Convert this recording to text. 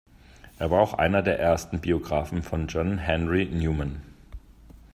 Er war auch einer der ersten Biografen von John Henry Newman.